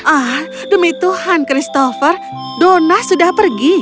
ah demi tuhan christopher dona sudah pergi